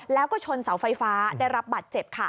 แล้วก็ชนเสาไฟฟ้าได้รับบัตรเจ็บค่ะ